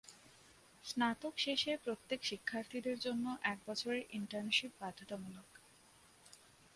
স্নাতক শেষে প্রত্যেক শিক্ষার্থীদের জন্য এক বছরের ইন্টার্নশীপ বাধ্যতামূলক।